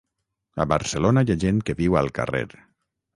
A Barcelona hi ha gent que viu al carrer